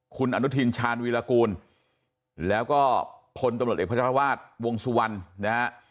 คุณอนุทินชาญวีรกูลแล้วก็พลตำรวจเอกพัชรวาสวงสุวรรณนะฮะ